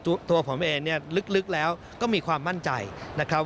ตัวผมเองเนี่ยลึกแล้วก็มีความมั่นใจนะครับ